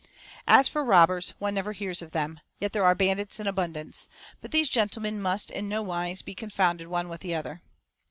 As for robbers, one never hears of them, yet there are bandits in abundance; but these gentlemen must in no wise be confounded one with another.